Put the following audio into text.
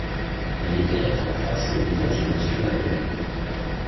Il éclairait en face le visage de Monsieur Madeleine.